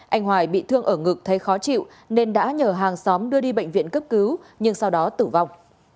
anh hoài bị thương ở ngực thấy khó chịu nên đã nhờ hàng xóm đưa đi bệnh viện cấp cứu nhưng sau đó tử vong